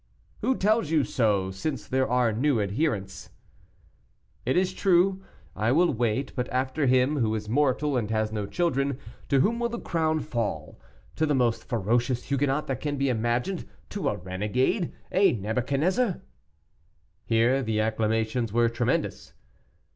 "Who tells you so, since there are new adherents?" "It is true; I will wait; but after him, who is mortal, and has no children, to whom will the crown fall? To the most ferocious Huguenot that can be imagined, to a renegade, a Nebuchadnezzar?" Here the acclamations were tremendous.